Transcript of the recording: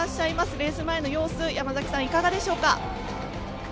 レース前の様子いかがでしょうか。